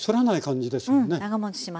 うん長もちします。